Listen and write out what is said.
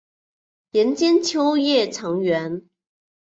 人间秋月长圆。